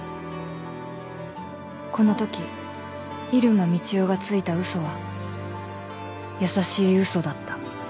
［このとき入間みちおがついた嘘は優しい嘘だった］